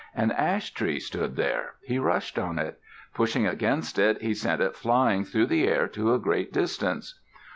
An ash tree stood there. He rushed on it. Pushing against it, he sent it flying through the air to a great distance.